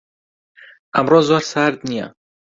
ئەمڕۆ زۆر سارد نییە.